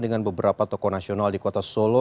dengan beberapa tokoh nasional di kota solo